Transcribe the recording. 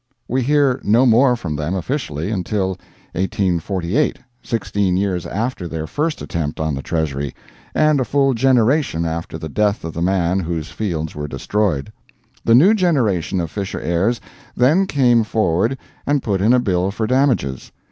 We hear no more from them officially until 1848, sixteen years after their first attempt on the Treasury, and a full generation after the death of the man whose fields were destroyed. The new generation of Fisher heirs then came forward and put in a bill for damages.